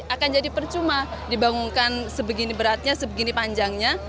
akan jadi percuma dibangunkan sebegini beratnya sebegini panjangnya